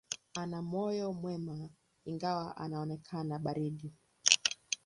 Ana moyo mwema, ingawa unaonekana baridi.